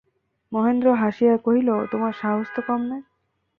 মহেন্দ্র হাসিয়া কহিল, তোমার সাহস তো কম নয়।